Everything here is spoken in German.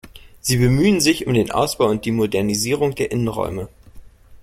Sie bemühen sich um den Ausbau und die Modernisierung der Innenräume.